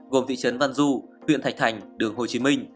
gồm thị trấn văn du huyện thạch thành đường hồ chí minh